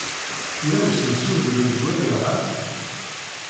Yella usensu deg lejwayeh-a?